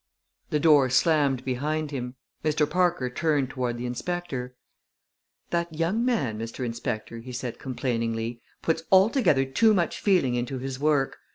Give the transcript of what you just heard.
The door slammed behind him. Mr. Parker turned toward the inspector. "That young man, Mr. Inspector," he said complainingly, "puts altogether too much feeling into his work.